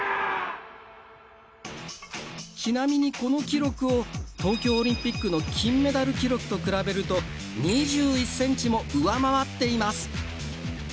ちなみに、この記録を東京オリンピックの金メダル記録と比べると２１ｃｍも上回っています。